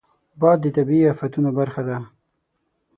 باد د طبیعي افتونو برخه ده